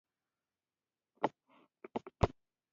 د غوربند پۀ زړه نومي کلي د خېراتي خان کره پيدا شو